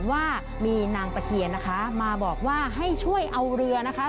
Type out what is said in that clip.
ว่ามีนางตะเคียนนะคะมาบอกว่าให้ช่วยเอาเรือนะคะ